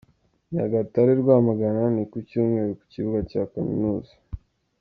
Nyagatare-Rwamagana : Ni kucyumweru ku kibuga cya Kaminuza.